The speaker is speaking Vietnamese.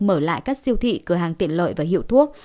mở lại các siêu thị cửa hàng tiện lợi và hiệu thuốc